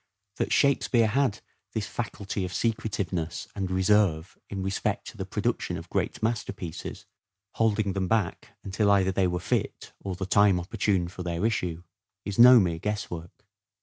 That " Shakespeare " had this faculty of secretive ness and reserve in respect to the production of great masterpieces — holding them back until either they were fit or the time opportune for their issue — is no mere guesswork.